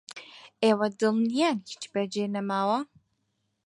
ئێوە دڵنیان هیچ بەجێ نەماوە؟